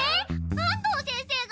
安藤先生が？